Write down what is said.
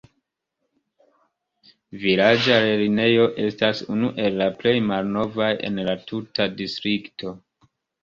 Vilaĝa lernejo estas unu el la plej malnovaj en la tuta distrikto.